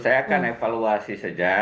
saya akan evaluasi saja